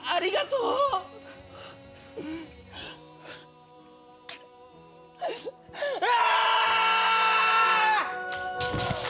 うわ！